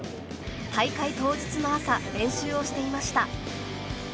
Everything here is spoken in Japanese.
大会当日の朝練習をしていました。